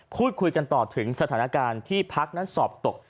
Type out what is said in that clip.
พูดคุยกันต่อถึงสถานการณ์ที่พักนั้นสอบตก